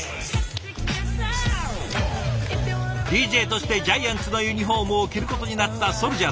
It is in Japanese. ＤＪとしてジャイアンツのユニフォームを着ることになったＳＯＵＬＪＡＨさん。